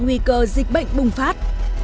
nguy cơ dịch bệnh bùng phát